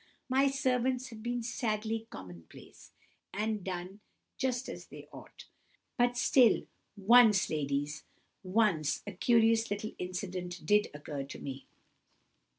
My servants have been sadly common place, and done just as they ought. But still, once, ladies—once, a curious little incident did occur to me."